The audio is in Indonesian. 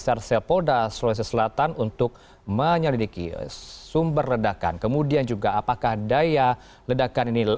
sersel polda sulawesi selatan untuk menyelidiki sumber ledakan kemudian juga apakah daya ledakan ini